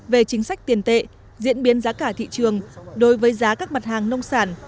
về chính sách tiền tệ diễn biến giá cả thị trường đối với giá các mặt hàng nông sản